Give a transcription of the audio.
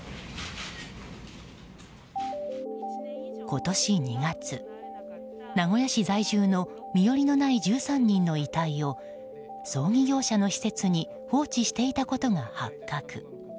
今年２月、名古屋市在住の身寄りのない１３人の遺体を葬儀業者の施設に放置していたことが発覚。